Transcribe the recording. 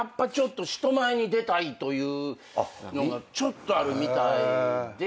人前に出たいというのがちょっとあるみたいで。